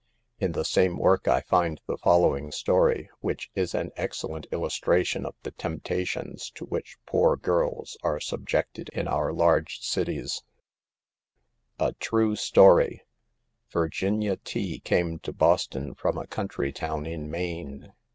In the same work I find the following story, which is an excellent illustration of the temp tations to which poor girls are subjected in our large cities : "A TRUE STORY, "Virginia T came to Boston from a country town in Maine.